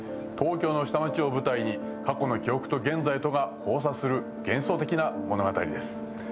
東京の下町を舞台に過去の記憶と現在が交差する幻想的な物語です。